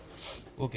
ＯＫ。